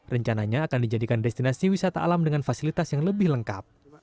rencananya akan dijadikan destinasi wisata alam dengan fasilitas yang lebih lengkap